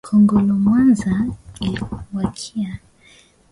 Kongolomwanza iliumbiwaka siku ya mwisho wa garika